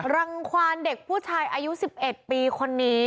รังความเด็กผู้ชายอายุ๑๑ปีคนนี้